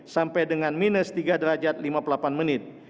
sampai dengan minus tiga derajat lima puluh delapan menit